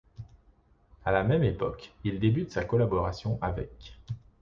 À la même époque, il débute sa collaboration avec '.